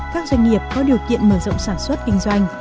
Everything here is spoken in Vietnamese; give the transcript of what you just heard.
các doanh nghiệp có điều kiện mở rộng sản xuất kinh doanh